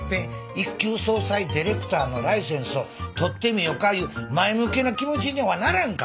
一級葬祭ディレクターのライセンスを取ってみよかいう前向きな気持ちにはならんか？